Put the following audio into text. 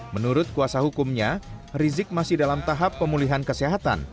menurut kuasa hukumnya rizik masih dalam tahap pemulihan kesehatan